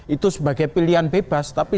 itu sebagai pilihan bebas tapi